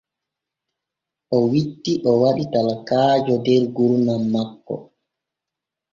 O witti o waɗi talakaajo der gurdam makko.